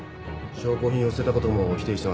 証拠品を捨てたことも否定してます。